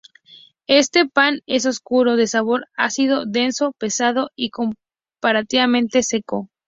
Este pan es oscuro, de sabor ácido, denso, pesado y comparativamente seco.